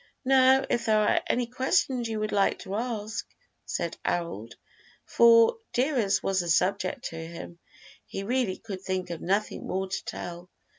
"Now, if there are any questions you would like to ask?" said Harold, for, dear as was the subject to him, he really could think of nothing more to tell.